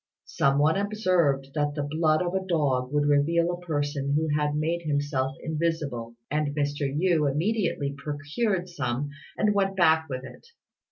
Some one observed that the blood of a dog would reveal a person who had made himself invisible, and Mr. Yü immediately procured some and went back with it.